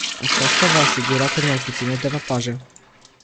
Aceasta va asigura cât mai puține derapaje.